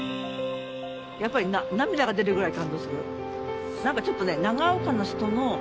やっぱり涙が出るぐらい感動する。